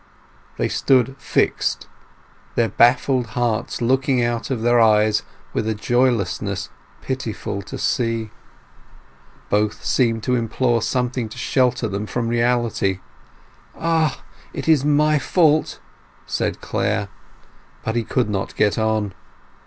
They stood fixed, their baffled hearts looking out of their eyes with a joylessness pitiful to see. Both seemed to implore something to shelter them from reality. "Ah—it is my fault!" said Clare. But he could not get on.